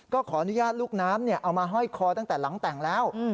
ขออนุญาตลูกน้ำเอามาห้อยคอตั้งแต่หลังแต่งแล้ว